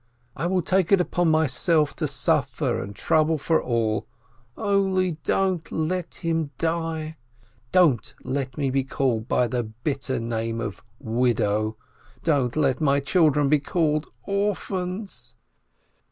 "I will take it upon myself to suffer and trouble for all, only don't let him die, don't let me be called by the bitter name of widow, don't let my children be called orphans